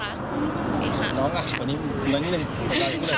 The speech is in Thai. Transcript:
น้องอ่ะวันนี้เหมือนกันเลย